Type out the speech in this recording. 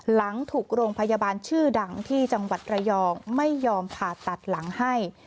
หลังถูกโรงพยาบาลชื่อดังที่จังหวัดระยองไม่ยอมผ่าตัดหลังให้